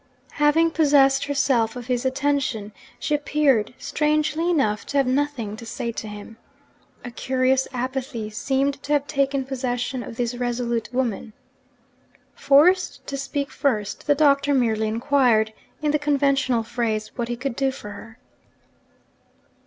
Having possessed herself of his attention, she appeared, strangely enough, to have nothing to say to him. A curious apathy seemed to have taken possession of this resolute woman. Forced to speak first, the Doctor merely inquired, in the conventional phrase, what he could do for her.